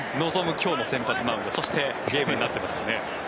今日の先発マウンドそしてゲームになってますよね。